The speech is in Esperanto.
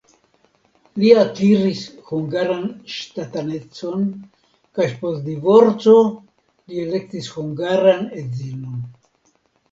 Li akiris hungaran ŝtatanecon kaj post divorco li elektis hungaran edzinon.